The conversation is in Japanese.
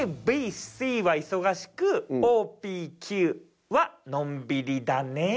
「ＡＢＣ は忙しく、ＯＰＱ は、のんびりだねぇ」